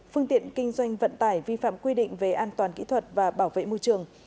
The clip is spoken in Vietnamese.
phương tiện kinh doanh vận tải vi phạm quy định về an toàn kỹ thuật và bảo vệ môi trường